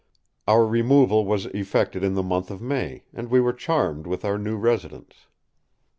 Our removal was effected in the month of May, and we were charmed with our new residence.